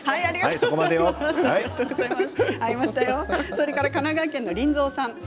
それから神奈川県の方です。